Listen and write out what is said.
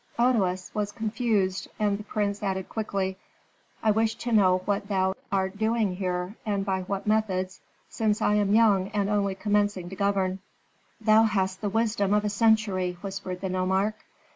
Otoes was confused, and the prince added quickly, "I wish to know what thou art doing here, and by what methods, since I am young and only commencing to govern." "Thou hast the wisdom of a century," whispered the nomarch.